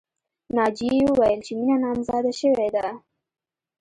ناجیې وویل چې مینه نامزاده شوې ده